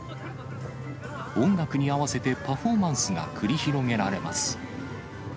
音楽に合わせてパフォーマンスが繰り広げられます。